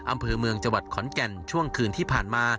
อำเภอเมืองจังหวัดขอนแก่นช่วงคืนที่ผ่านมา